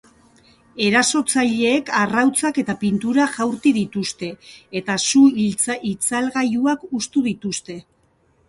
Erasotzaileek arrautzak eta pintura jaurti dituzte, eta su-itzalgailuak hustu dituzte.